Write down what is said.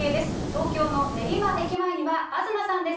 東京の練馬駅前には東さんです。